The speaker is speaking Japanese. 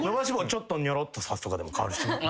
ちょっとにょろっとさすとかでも変わるしな。